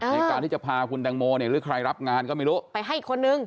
ในการที่จะพาคุณแตงโมเนี่ยหรือใครรับงานก็ไม่รู้ไปให้อีกคนนึง